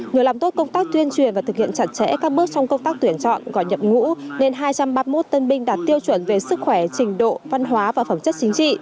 nhờ làm tốt công tác tuyên truyền và thực hiện chặt chẽ các bước trong công tác tuyển chọn gọi nhập ngũ nên hai trăm ba mươi một tân binh đạt tiêu chuẩn về sức khỏe trình độ văn hóa và phẩm chất chính trị